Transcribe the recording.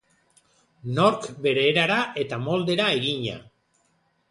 Nork bere erara eta moldera egina.